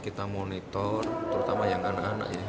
kita monitor terutama yang anak anak ya